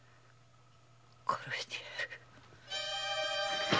殺してやる！